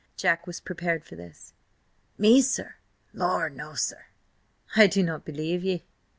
Jack was prepared for this. "Me, sir? Lor' no, sir!" "I do not believe ye.